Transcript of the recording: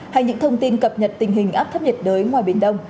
hay những thông tin cập nhật tình hình áp thấp nhiệt đới ngoài biển đông